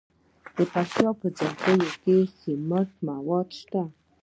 د پکتیا په ځاځي کې د سمنټو مواد شته.